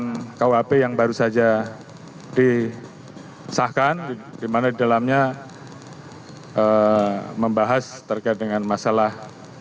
ini adalah pertanyaan dari tkp yang baru saja disahkan dimana di dalamnya membahas terkait dengan masalah